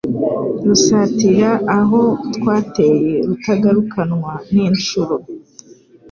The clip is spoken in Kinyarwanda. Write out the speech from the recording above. Rusatira aho twateye rutagarukanwa n,inshuro